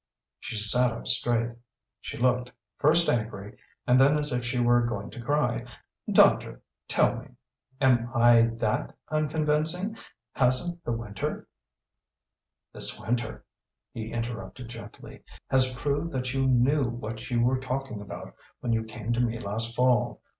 She sat up straight. She looked, first angry, and then as if she were going to cry. "Doctor tell me! Am I that unconvincing? Hasn't the winter " "This winter," he interrupted gently, "has proved that you knew what you were talking about when you came to me last fall.